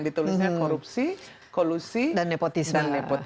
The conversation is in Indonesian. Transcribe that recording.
ditulisnya korupsi kolusi dan nepotisme